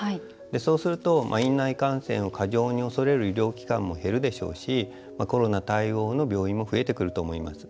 そうすると、院内感染を過剰に恐れる医療機関も減るでしょうしコロナ対応の病院も増えてくると思います。